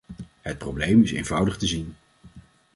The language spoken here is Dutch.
Het probleem is eenvoudig te zien.